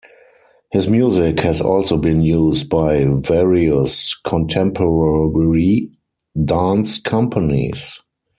His music has also been used by various contemporary dance companies.